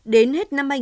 đến hết năm